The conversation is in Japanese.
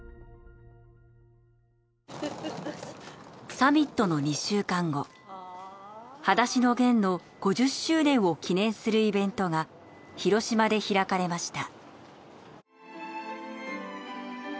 サミットの２週間後『はだしのゲン』の５０周年を記念するイベントが広島で開かれました。